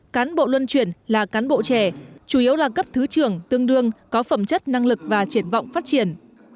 cán bộ luân chuyển là cán bộ trẻ chủ yếu là cấp thứ trưởng tương đương có phẩm chất năng lực và triển vọng phát triển